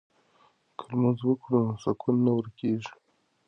که لمونځ وکړو نو سکون نه ورکيږي.